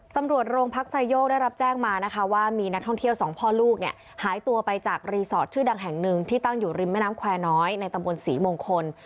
ตำรวจโรงพักไซโยกได้รับแจ้งมานะคะว่ามีนักท่องเที่ยวสองพ่อลูกเนี่ยหายตัวไปจากรีสอร์ทชื่อดังแห่งหนึ่งที่ตั้งอยู่ริมแม่น้ำแควร์น้อยในตำบลศรีมงคล